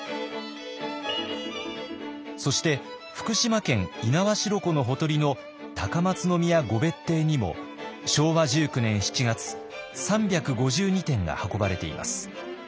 そして福島県猪苗代湖のほとりの高松宮御別邸にも昭和１９年７月３５２点が運ばれています。